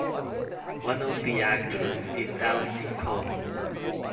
One of the actors is Elsie Cohen.